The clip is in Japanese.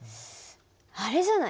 あれじゃない？